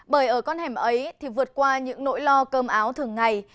bởi ở con hẻm ấy thì vượt qua những nỗi lo cơm áo thường ngày